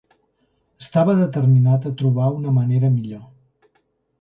Estava determinat a trobar una manera millor.